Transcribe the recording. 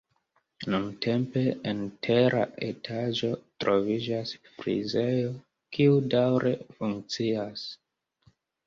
Nuntempe, en tera etaĝo troviĝas frizejo, kiu daŭre funkcias.